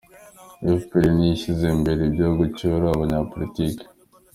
Efuperi ntishyize imbere ibyo gucyura abanyapolitiki